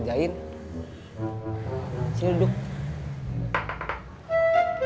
tidak ada yang makan